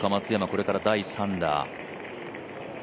これから第３打。